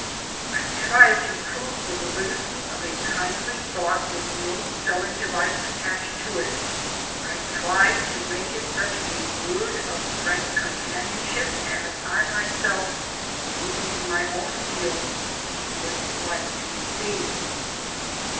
I tried to prove the validity of a kindly thought with no selling device attached to it; I tried to make it such a word of frank companionship as I myself, working in my own fields, would like to receive.